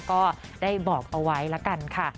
ก็ได้บอกเอาไว้ละกันค่ะ